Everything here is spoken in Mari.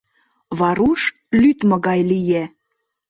Варуш лӱдмӧ гай лиеш.